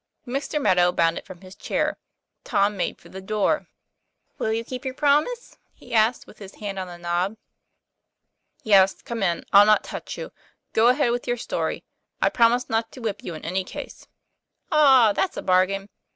Mr. Meadow bounded from his chair; Tom made for the door. "Will you keep your promise ?" he asked with his hand on the knob. I5 8 TOM PLAYFAIR. 'Yes; come in; I'll not touch you. Go ahead with your story: I promise not to whip you in any case." ; 'Ah! that's a bargain.